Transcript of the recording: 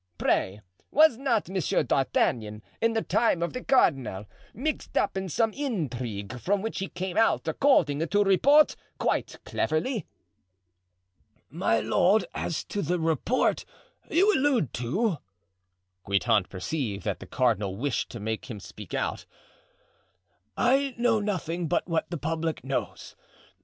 Pray, was not Monsieur d'Artagnan, in the time of the cardinal, mixed up in some intrigue from which he came out, according to report, quite cleverly?" "My lord, as to the report you allude to"—Guitant perceived that the cardinal wished to make him speak out—"I know nothing but what the public knows.